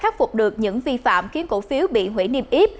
khắc phục được những vi phạm khiến cổ phiếu bị hủy niêm yếp